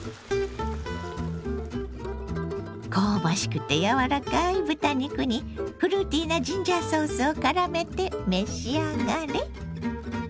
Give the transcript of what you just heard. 香ばしくて柔らかい豚肉にフルーティーなジンジャーソースをからめて召し上がれ。